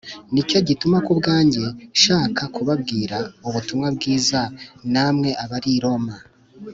ni cyo gituma ku bwanjye nshaka kubabwira ubutumwa bwiza namwe abari i Roma.